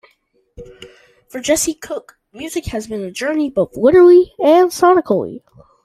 For Jesse Cook, music has been a journey both literally and sonically.